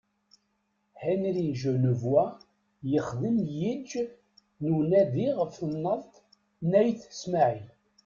Henri Genevois yexdem yiǧ n unadi ɣef temnaḍt n Ayt Smaɛel.